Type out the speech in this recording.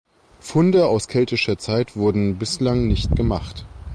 Funde aus keltischer Zeit wurden bislang nicht gemacht.